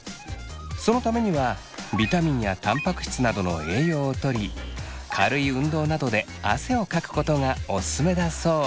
そのためにはビタミンやたんぱく質などの栄養をとり軽い運動などで汗をかくことがオススメだそう。